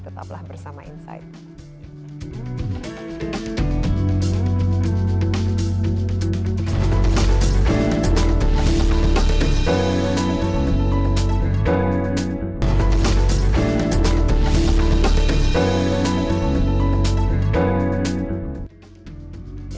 tetaplah bersama insight